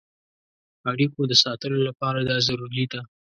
اړیکو د ساتلو لپاره دا ضروري ده.